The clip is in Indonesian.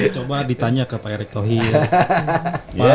coba ditanya ke pak erick thohir